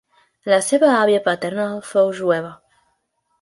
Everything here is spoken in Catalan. La seva àvia paternal fou jueva.